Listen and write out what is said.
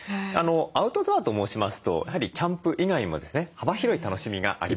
アウトドアと申しますとやはりキャンプ以外にもですね幅広い楽しみがあります。